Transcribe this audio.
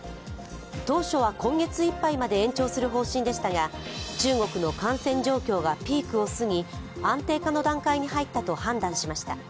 当初は今月いっぱいまで延長する方針でしたが中国の感染状況がピークを過ぎ安定化の段階に入ったと判断しました。